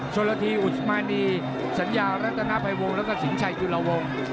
ชนละทีอุสมานีสัญญารัฐนาภัยวงแล้วก็สินชัยจุลวง